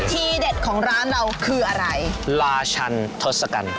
ทีเด็ดของร้านเราคืออะไรลาชันทศกัณฐ์